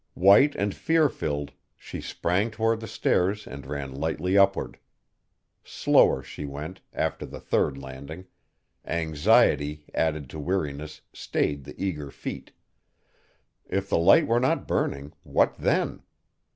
White and fear filled, she sprang toward the stairs and ran lightly upward. Slower she went, after the third landing; anxiety, added to weariness, stayed the eager feet. If the Light were not burning, what then?